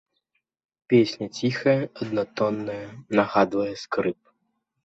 Песня ціхая, аднатонная, нагадвае скрып.